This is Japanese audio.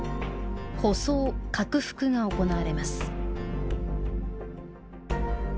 舗装・拡幅が行われます。